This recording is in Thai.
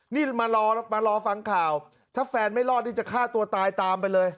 นี่มารอมารอฟังข่าวถ้าแฟนไม่รอดนี่จะฆ่าตัวตายตามไปเลย